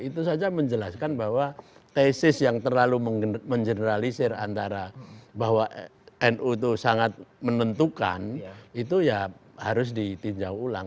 itu saja menjelaskan bahwa tesis yang terlalu mengeneralisir antara bahwa nu itu sangat menentukan itu ya harus ditinjau ulang